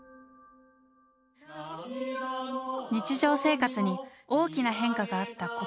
日常生活に大きな変化があった